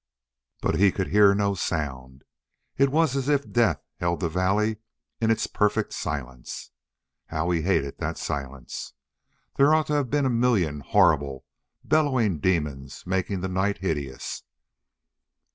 But he could hear no sound. It was as if death held the valley in its perfect silence. How he hated that silence! There ought to have been a million horrible, bellowing demons making the night hideous.